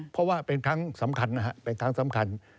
เพราะว่าเป็นครั้งสำคัญ